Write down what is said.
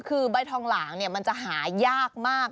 คือใบทองหลางมันจะหายากมาก